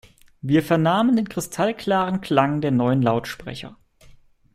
Wir vernahmen den kristallklaren Klang der neuen Lautsprecher.